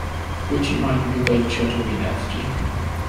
Wyt ti moyn i fi beintio dy winedd di?